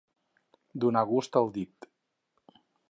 Donar gust al dit.